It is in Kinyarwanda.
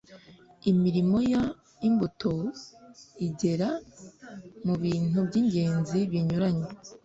Imirimo ya Imbuto igera mu bintu by’ingenzi binyuranye